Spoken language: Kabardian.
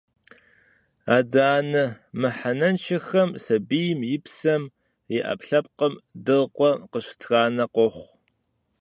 Адэ-анэ мыхьэнэншэхэм сабийм и псэм, и ӏэпкълъэпкъым дыркъуэ къыщытранэ къохъу.